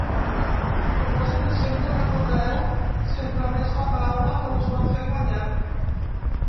Suposo que sempre recordareu sempre més la paraula que us va fer guanyar.